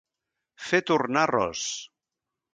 Fer tornar ros.